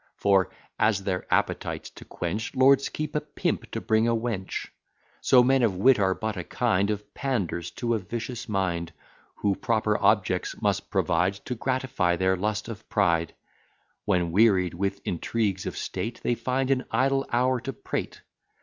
For, as their appetites to quench, Lords keep a pimp to bring a wench; So men of wit are but a kind Of panders to a vicious mind Who proper objects must provide To gratify their lust of pride, When, wearied with intrigues of state, They find an idle hour to prate.